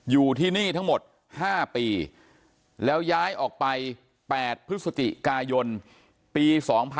อยู่ที่นี่ทั้งหมด๕ปีแล้วย้ายออกไป๘พฤศจิกายนปี๒๕๖๒